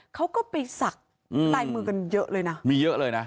เขาก็ไปสักใต้มือกันเยอะเลยนะ